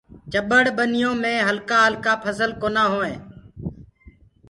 چٻڙ ڀنيو مي هلڪآ گلڪآ ڦسل ڪونآ هوئينٚ۔